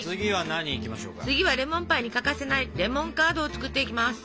次はレモンパイに欠かせないレモンカードを作っていきます。